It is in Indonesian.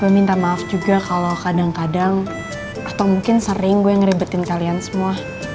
minta maaf juga kalau kadang kadang atau mungkin sering gue yang ngeribetin kalian semua